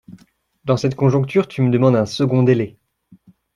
Dans cette conjoncture, tu me demandes un second délai.